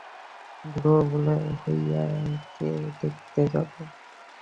ধ্রুব বলিল, হয়িকে দেখতে যাব।